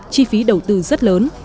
chi phí đầu tư rất lớn